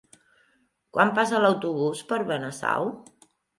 Quan passa l'autobús per Benasau?